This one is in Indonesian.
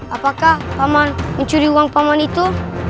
apakah paman mencuri uang paman itu